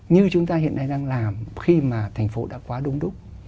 như chúng ta hiện nay đang làm khi mà thành phố đã quá đông đúc